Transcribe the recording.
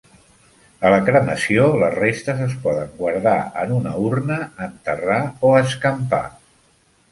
A la cremació, les restes es poden guardar en una urna, enterrar o escampar.